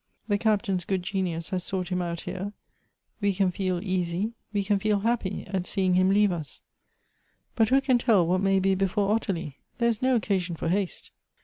The Captain's good genius has sought him out here — we can feel easy, we can feel hap py, at seeing him leave us ; but who can tell what may be before Ottilie ? There is no occasion for haste."